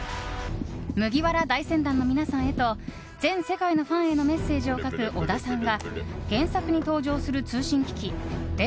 「麦わら大船団のみなさんへ」と全世界のファンへのメッセージを書く尾田さんが原作に登場する通信機器電